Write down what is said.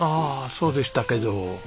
そうでしたけど。